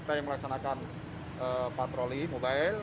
kita yang melaksanakan patroli mobile